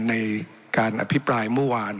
ในการอภิปรายเมื่อวาน